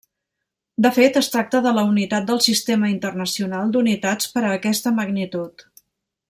De fet, es tracta de la unitat del Sistema Internacional d'Unitats per a aquesta magnitud.